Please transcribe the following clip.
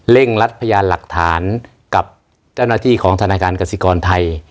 รัดพยานหลักฐานกับเจ้าหน้าที่ของธนาคารกสิกรไทย